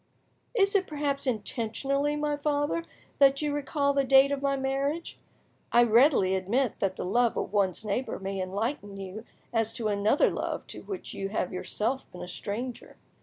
"Is it perhaps intentionally, my father, that you recall the date of my marriage? I readily admit that the love of one's neighbour may enlighten you as to another love to which you have yourself been a stranger.